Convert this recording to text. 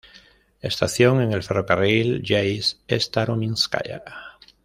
Estación en el ferrocarril Yeisk-Starominskaya.